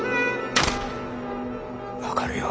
分かるよ。